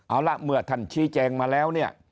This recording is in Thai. เอาล่ะเมื่อท่านชี้แจงมาแล้ว